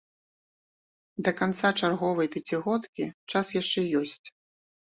Да канца чарговай пяцігодкі час яшчэ ёсць.